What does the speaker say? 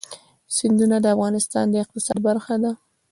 سیندونه د افغانستان د اقتصاد برخه ده.